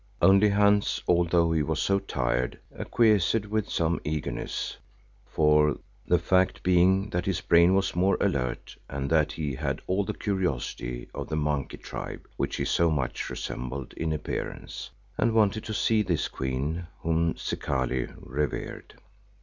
Only Hans, although he was so tired, acquiesced with some eagerness, the fact being that his brain was more alert and that he had all the curiosity of the monkey tribe which he so much resembled in appearance, and wanted to see this queen whom Zikali revered.